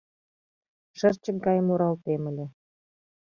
Шырчык гае муралтем ыле.